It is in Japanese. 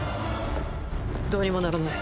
どうにもならない。